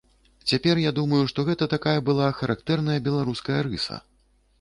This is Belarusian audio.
Цяпер я думаю, што гэта такая была характэрная беларуская рыса.